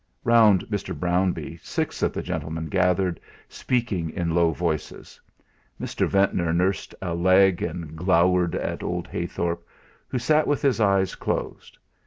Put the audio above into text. Round Mr. Brownbee six of the gentlemen gathered, speaking in low voices; Mr. Ventnor nursed a leg and glowered at old Heythorp, who sat with his eyes closed.